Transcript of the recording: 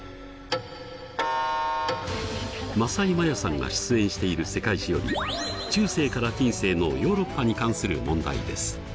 政井マヤさんが出演している「世界史」より中世から近世のヨーロッパに関する問題です。